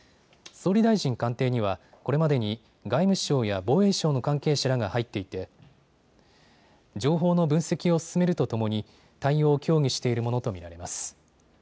総理大臣官邸にはこれまでに外務省や防衛省の関係者らが入っていて情報の分析を進めるとともに対応を協議しているものと見られます。